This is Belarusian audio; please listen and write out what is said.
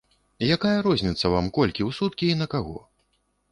Якая розніца вам, колькі ў суткі і на каго?